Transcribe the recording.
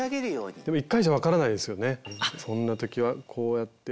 そんな時はこうやって。